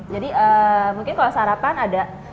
jadi mungkin kalau sarapan ada lima sampai enam variasi menu